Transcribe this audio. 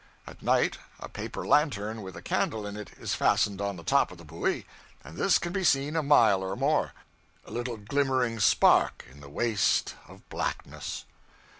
At night, a paper lantern with a candle in it is fastened on top of the buoy, and this can be seen a mile or more, a little glimmering spark in the waste of blackness.